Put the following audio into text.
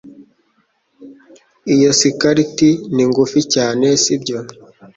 Iyo skirt ni ngufi cyane sibyo